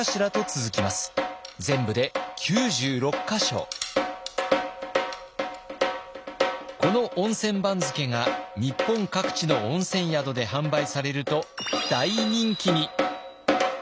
全部でこの温泉番付が日本各地の温泉宿で販売されると大人気に！